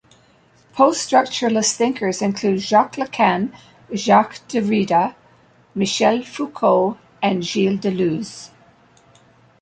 Post-structuralist thinkers include Jacques Lacan, Jacques Derrida, Michel Foucault and Gilles Deleuze.